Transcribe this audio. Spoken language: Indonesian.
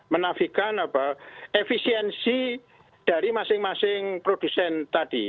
menafikan efisiensi dari masing masing produsen tadi